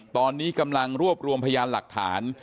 ตอนนี้กำลังรวบรวมพยานหลักฐาน